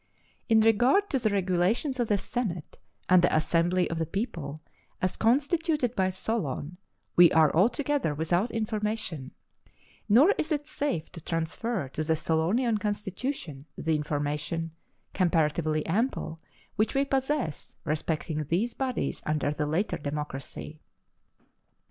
In regard to the regulations of the senate and the assembly of the people, as constituted by Solon, we are altogether without information: nor is it safe to transfer to the Solonian constitution the information, comparatively ample, which we possess respecting these bodies under the later democracy.